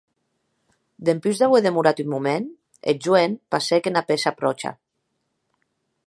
Dempús d’auer demorat un moment, eth joen passèc ena pèça pròcha.